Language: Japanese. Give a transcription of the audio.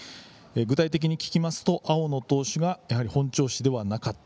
具体的に聞きますと青野投手が本調子ではなかった。